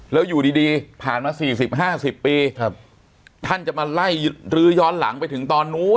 แล้วอยู่ดีดีผ่านมาสี่สิบห้าสิบปีครับท่านจะมาไล่รื้อย้อนหลังไปถึงตอนนู้น